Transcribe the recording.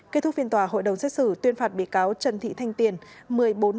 kết thúc phiên tòa hội đồng xét xử tuyên phạt bị cáo trần thị thanh tiền